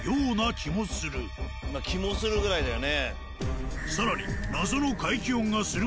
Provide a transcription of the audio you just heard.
「気もする」ぐらいだよね。